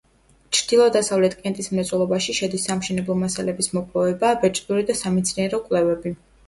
ჩრდილო-დასავლეთ კენტის მრეწველობაში შედის სამშენებლო მასალების მოპოვება, ბეჭდური და სამეცნიერო კვლევები.